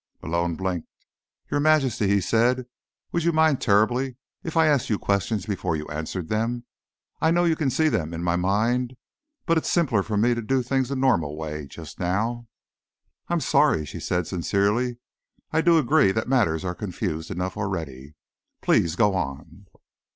Malone blinked. "Your Majesty," he said, "would you mind terribly if I asked you questions before you answered them? I know you can see them in my mind, but it's simpler for me to do things the normal way, just now." "I'm sorry," she said sincerely. "I do agree that matters are confused enough already. Please go on."